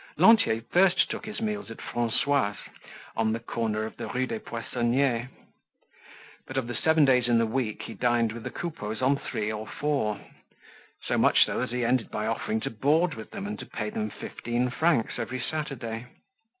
Lantier first took his meals at Francois's, at the corner of the Rue des Poissonniers. But of the seven days in the week he dined with the Coupeaus on three or four; so much so that he ended by offering to board with them and to pay them fifteen francs every Saturday.